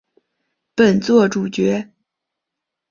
本作主角。